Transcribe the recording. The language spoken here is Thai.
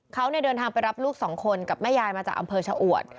เขาเดินทางไปรับลูกสองคนกับแม่ยายมาจากอำเภอชะอวด